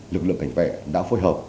lực lượng cảnh vệ đã phối hợp